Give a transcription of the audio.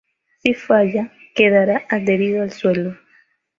Si falla, quedara adherido al suelo.